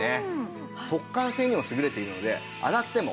速乾性にも優れているので。